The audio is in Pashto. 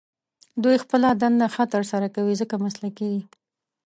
دوی خپله دنده ښه تر سره کوي، ځکه مسلکي دي.